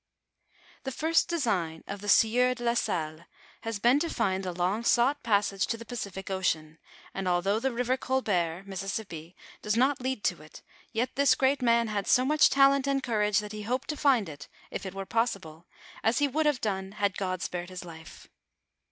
THE first design of the sieur de la Salle had been to find the long sought passage to the Pacific ocean, and al though the river Colbert (Mississippi) does not lead to it, yet this great man had so much talent and courage, that he hoped to find it, if it were possible, as he would have done, had God spared his life.